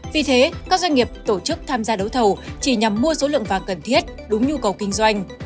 vì thế các doanh nghiệp tổ chức tham gia đấu thầu chỉ nhằm mua số lượng vàng cần thiết đúng nhu cầu kinh doanh